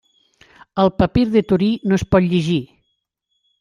Al papir de Torí no es pot llegir.